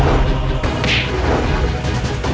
terima kasih istri